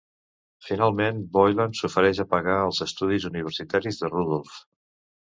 Finalment Boylan s'ofereix a pagar els estudis universitaris de Rudolph.